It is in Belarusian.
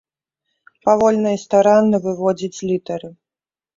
Павольна і старанна выводзіць літары.